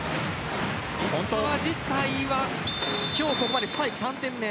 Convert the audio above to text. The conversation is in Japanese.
石川自体は今日ここまでスパイク、３点目。